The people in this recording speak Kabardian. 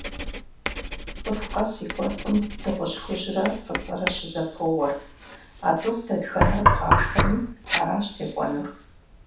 Цӏыху къэс и кӏуэцӏым дыгъужь хужьрэ фӏыцӏэрэ щызэпоуэр. А тӏум дэтхэнэр бгъашхэми, аращ текӏуэнур.